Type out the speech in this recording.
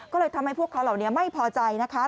ก็เลยทำให้พวกเขาเหล่านี้ไม่พอใจนะคะ